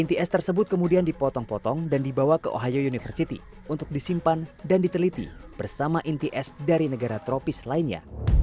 inti es tersebut kemudian dipotong potong dan dibawa ke ohio university untuk disimpan dan diteliti bersama inti es dari negara tropis lainnya